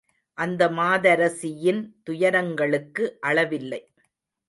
அந்த மாதரசியின் துயரங்களுக்கு அளவில்லை.